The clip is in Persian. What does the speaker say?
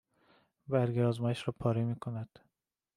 برگه آزمایش را پاره می کند